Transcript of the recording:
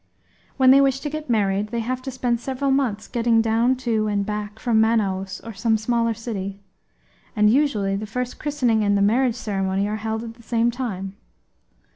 When they wish to get married they have to spend several months getting down to and back from Manaos or some smaller city; and usually the first christening and the marriage ceremony are held at the same time.